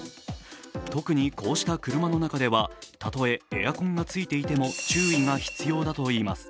特にこうした車の中では、たとえエアコンがついていても注意が必要だといいます。